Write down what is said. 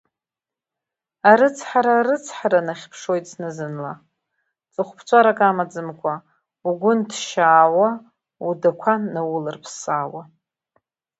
Арыцҳара арыцҳара нахьыԥшуеит зны-зынла, ҵыхәаԥҵәарак амаӡамкәа, угәы нҭшьаауа, удақәа наулрԥсаауа.